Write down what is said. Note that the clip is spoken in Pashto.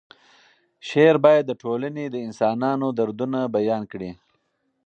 شعر باید د ټولنې د انسانانو دردونه بیان کړي.